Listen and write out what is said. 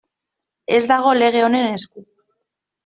Ez dago lege honen esku.